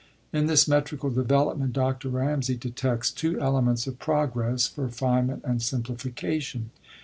In this metrical development Dr. Bamsay detects two elements of progress, refinement, and simplification.